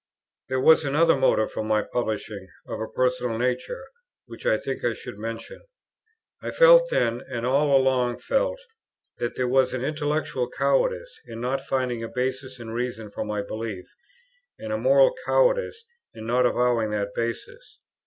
There was another motive for my publishing, of a personal nature, which I think I should mention. I felt then, and all along felt, that there was an intellectual cowardice in not finding a basis in reason for my belief, and a moral cowardice in not avowing that basis.